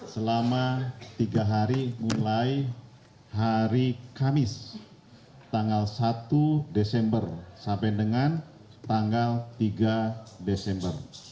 selama tiga hari mulai hari kamis tanggal satu desember sampai dengan tanggal tiga desember